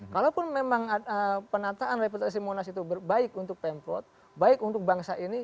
kalaupun memang penataan reputasi monas itu baik untuk pemprov baik untuk bangsa ini